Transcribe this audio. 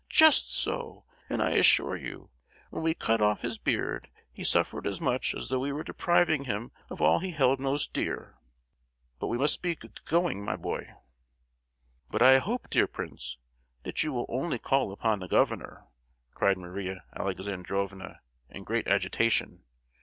Just so—and I assure you, when we cut off his beard he suffered as much as though we were depriving him of all he held most dear! But we must be go—going, my boy!" "But I hope, dear prince, that you will only call upon the governor!" cried Maria Alexandrovna, in great agitation.